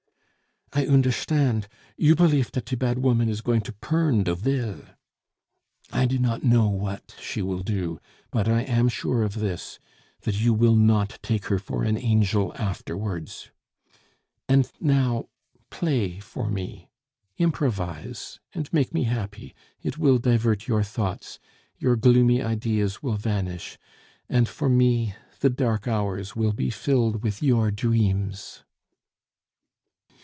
"I oondershtand; you belief dat die pad voman is going to purn der vill." "I do not know what she will do; but I am sure of this that you will not take her for an angel afterwards. And now play for me; improvise and make me happy. It will divert your thoughts; your gloomy ideas will vanish, and for me the dark hours will be filled with your dreams...."